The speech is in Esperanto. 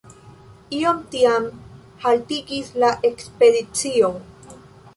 Oni tiam haltigis la ekspedicion.